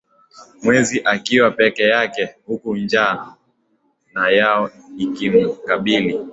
mwezi akiwa peke yake huku njaa na yao ikimkabili